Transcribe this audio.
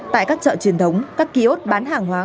tại các chợ truyền thống các ký ốt bán hàng hóa